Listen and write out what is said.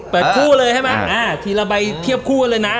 คู่เลยใช่ไหมอ่าทีละใบเทียบคู่กันเลยนะ